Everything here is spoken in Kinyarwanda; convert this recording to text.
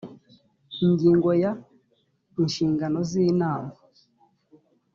ingingo ya inshingano z inama